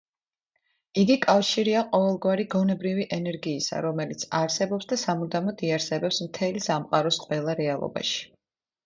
იგი კავშირია ყოველგვარი გონებრივი ენერგიისა, რომელიც არსებობს და სამუდამოდ იარსებებს მთელი სამყაროს ყველა რეალობაში.